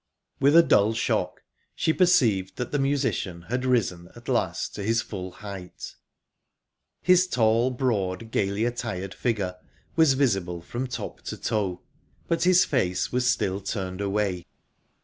With a dull shock, she perceived that the musician had risen at last to his full height. His tall, broad, gaily attired figure was visible from top to toe, but his face was still turned away.